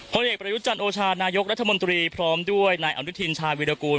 เอกประยุจันทร์โอชานายกรัฐมนตรีพร้อมด้วยนายอนุทินชายวิรากูล